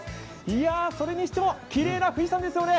いや、それにしてもきれいな富士山ですよね。